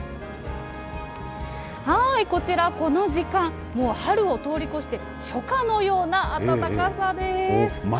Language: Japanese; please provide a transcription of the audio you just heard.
こちら、この時間、もう春を通り越して、初夏のような暖かさです。